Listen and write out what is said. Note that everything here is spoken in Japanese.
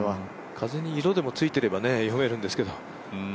風に色でもついていれば読めるんですけど。